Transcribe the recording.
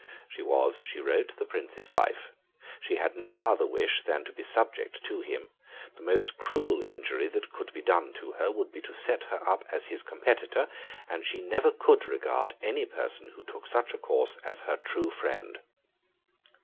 She was, she wrote, the Prince's wife; she had no other wish than to be subject to him; the most cruel injury that could be done to her would be to set her up as his competitor; and she never could regard any person who took such a course as her true friend.